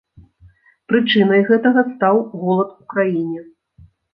Прычынай гэтага стаў голад у краіне.